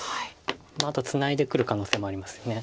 あとツナいでくる可能性もありますよね。